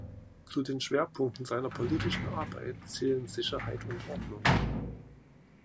Zu den Schwerpunkten seiner politischen Arbeit zählen Sicherheit und Ordnung.